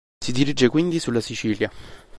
Si dirige quindi sulla Sicilia.